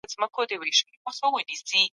خلک درې باورونه لري چې ګنجیتوب لامل کېږي.